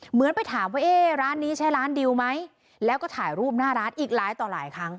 เหมือนไปถามว่าเอ๊ะร้านนี้ใช้ร้านดิวไหมแล้วก็ถ่ายรูปหน้าร้านอีกหลายต่อหลายครั้ง